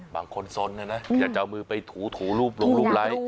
บางคนสนนะนะอยากจะเอามือไปถูรูปลงรูปไลค์